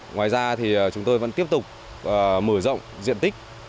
ngoài ra thì chúng tôi vẫn tiếp tục mở rộng diện tích